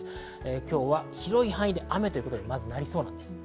今日は広い範囲で雨ということになりそうです。